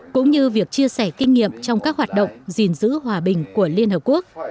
cũng như việc chia sẻ kinh nghiệm trong các hoạt động gìn giữ hòa bình của liên hợp quốc